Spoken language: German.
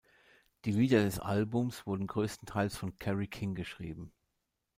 Die Lieder des Albums wurden größtenteils von Kerry King geschrieben.